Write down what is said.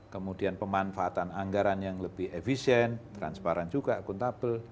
kemudian pemanfaatan anggaran yang lebih efisien transparan juga akuntabel